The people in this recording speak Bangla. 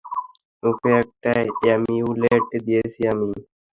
ওকে একটা অ্যামিউলেট দিয়েছি আমি।